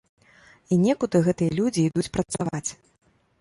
І некуды гэтыя людзі ідуць працаваць.